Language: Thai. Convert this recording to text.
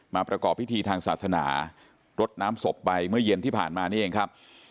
ประกอบพิธีทางศาสนารดน้ำศพไปเมื่อเย็นที่ผ่านมานี่เองครับ